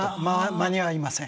間に合いません。